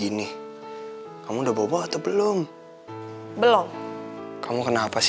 ini udah mau mencari